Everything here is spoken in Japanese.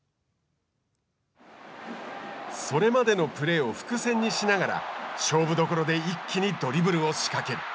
それまでのプレーを伏線にしながら勝負どころで一気にドリブルを仕掛ける。